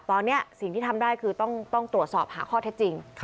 ตอนนี้สิ่งที่ทำได้คือต้องตรวจสอบหาข้อเท็จจริง